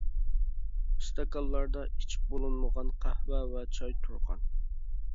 ئىستاكانلاردا ئىچىپ بولۇنمىغان قەھۋە ۋە چاي تۇرغان.